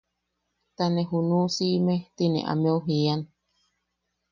Ta ne junu siʼime ti ne ameu jian.